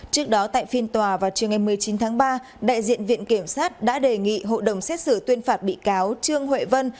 trước đó tại phiên tòa vào trưa ngày một mươi chín tháng ba đại diện viện kiểm sát đã đề nghị hội đồng xét xử tuyên phạt bị cáo trương huệ vân